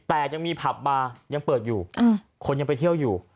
แต่ยังมีผับบาร์ยังเปิดอยู่คนยังไปเที่ยวอยู่